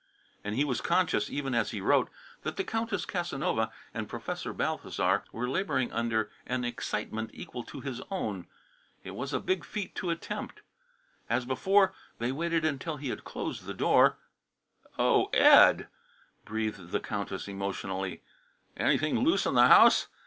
And he was conscious, even as he wrote, that the Countess Casanova and Professor Balthasar were labouring under an excitement equal to his own. It was a big feat to attempt. As before, they waited until he had closed the lower door. "Oh, Ed!" breathed the Countess emotionally. "Anything loose in the house?"